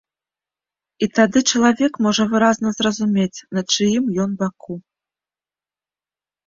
І тады чалавек можа выразна зразумець, на чыім ён баку.